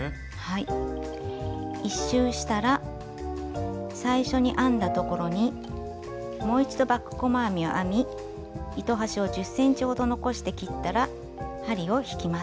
１周したら最初に編んだところにもう一度バック細編みを編み糸端を１０ｃｍほど残して切ったら針を引きます。